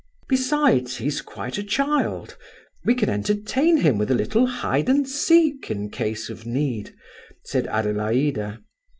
"Besides, he's quite a child; we can entertain him with a little hide and seek, in case of need," said Adelaida.